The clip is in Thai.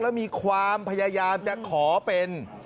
แล้วมีความพยายามจะขอเป็น